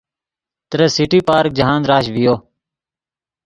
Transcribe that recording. ترے سٹی پارک جاہند رش ڤیو